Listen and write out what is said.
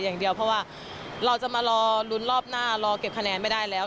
อย่างเดียวเพราะว่าเราจะมารอลุ้นรอบหน้ารอเก็บคะแนนไม่ได้แล้ว